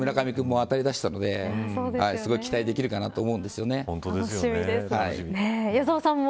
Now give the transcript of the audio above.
村上君も当たりだしたので期待できるかなと楽しみです。